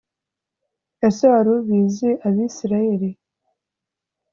Ese wari ubizi Abisirayeli